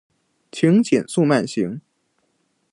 请减速慢行